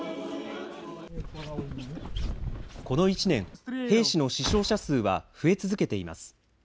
この１年、兵士の死傷者数は増え続けています。